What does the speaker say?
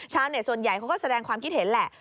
ส่วนใหญ่เขาก็แสดงความคิดเห็นแหละ